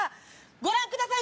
ご覧ください。